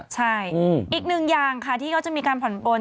ใช่อีกหนึ่งอย่างค่ะที่เขาจะมีการผ่อนปน